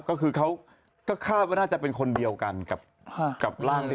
ก็คือเขาก็คาดว่าน่าจะเป็นคนเดียวกันกับร่างที่